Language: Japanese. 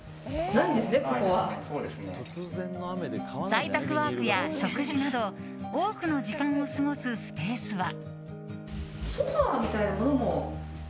在宅ワークや食事など多くの時間を過ごすスペースは。